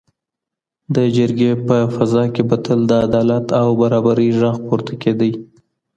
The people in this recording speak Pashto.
د جرګي په فضا کي به تل د عدالت او برابرۍ ږغ پورته کيده.